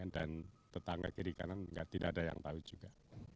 dan tetangga kiri kanan tidak ada yang tahu juga